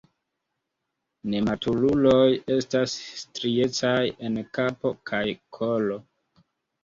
Nematuruloj estas striecaj en kapo kaj kolo.